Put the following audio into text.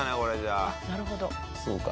そうか。